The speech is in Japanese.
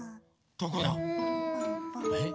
どこだ？えっ？